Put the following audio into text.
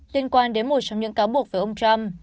liên quan đến một trong những cáo buộc với ông trump